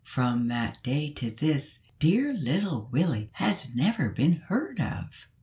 From that day to this, dear little Willie has never been heard of.